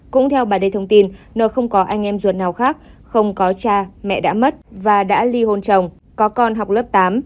cũng theo bà đê thông tin nơi không có anh em ruột nào khác không có cha mẹ đã mất và đã ly hôn chồng có con học lớp tám